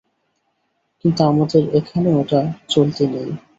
কিন্তু আমাদের এখানে ওটা চলতি নেই।